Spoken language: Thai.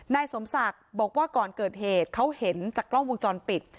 นายสมศักดิ์บอกว่าก่อนเกิดเหตุเขาเห็นจากกล้องวงจรปิด